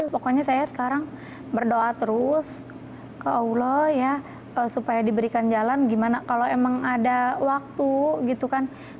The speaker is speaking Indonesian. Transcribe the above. pokoknya saya sekarang berdoa terus ke allah ya supaya diberikan jalan gimana kalau emang ada waktu gitu kan